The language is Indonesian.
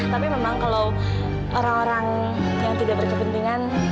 tapi memang kalau orang orang yang tidak berkepentingan